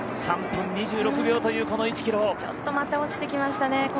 ３分２６秒というちょっとまた落ちてきましたね。